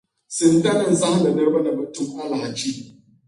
Sintani n-zahindi niriba ni bɛ tum alahachi.